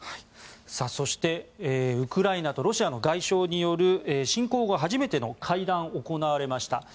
そしてウクライナとロシアの外相による侵攻後初めての会談が行われました。